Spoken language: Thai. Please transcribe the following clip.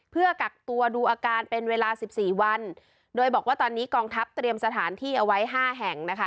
เพื่อกักตัวดูอาการเป็นเวลาสิบสี่วันโดยบอกว่าตอนนี้กองทัพเตรียมสถานที่เอาไว้ห้าแห่งนะคะ